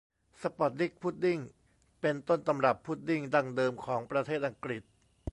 สปอร์ตดิ๊ดพุดดิ้งเป็นต้นตำรับพุดดิ้งดั้งเดิมของประเทศอังกฤษ